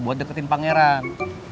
buat deketin pangeran